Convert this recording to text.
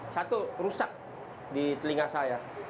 satu rusak di telinga saya